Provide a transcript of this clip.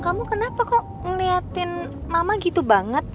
kamu kenapa kok ngeliatin mama gitu banget